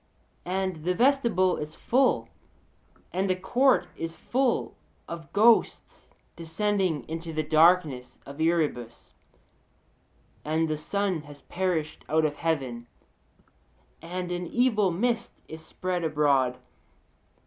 And the vestibule is full, and the court is full, of ghosts descending into the darkness of Erebus, and the sun has perished out of heaven, and an evil mist is spread abroad (Od.).'